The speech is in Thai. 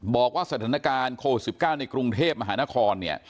บอกว่าสถานการณ์โควิด๑๙ในกรุงเทพมหานครเนี่ย